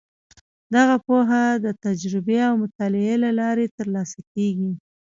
دغه پوهه د تجربې او مطالعې له لارې ترلاسه کیږي.